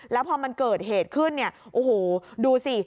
แล้วพอมันเกิดเหตุขึ้นเนี่ยโอ้โหดูสิ